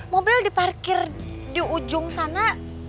mobil diparkir di ujung sana